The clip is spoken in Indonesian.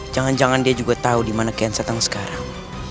jangan jangan dia juga tau dimana kian santang sekarang